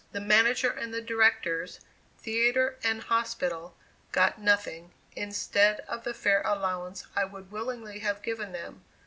The manager and directors, theatre and hospital, got nothing, instead of the fair allowance I would willingly have given them.